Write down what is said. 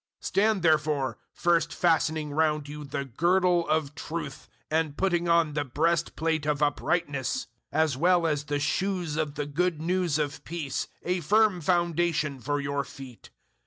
006:014 Stand therefore, first fastening round you the girdle of truth and putting on the breastplate of uprightness 006:015 as well as the shoes of the Good News of peace a firm foundation for your feet.